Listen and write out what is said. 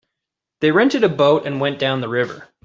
They rented a boat and went down the river.